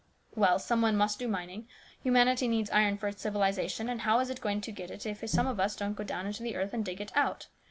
" Well, some one must do mining. Humanity needs iron for its civilisation, and how is it going to get it if some of us don't go down into the earth and dig it out